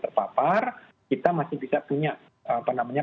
terpapar kita masih bisa punya